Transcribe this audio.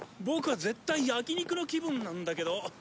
ボクは絶対焼き肉の気分なんだけど。